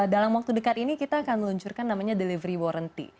dalam waktu dekat ini kita akan meluncurkan namanya delivery warrenty